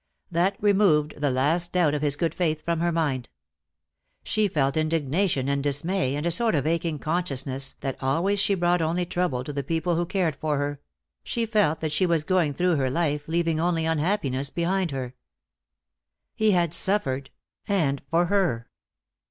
That removed the last doubt of his good faith from her mind. She felt indignation and dismay, and a sort of aching consciousness that always she brought only trouble to the people who cared for her; she felt that she was going through her life, leaving only unhappiness behind her. He had suffered, and for her.